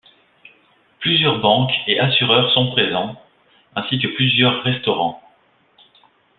Plusieurs banques et assureurs sont présents, ainsi que plusieurs restaurants.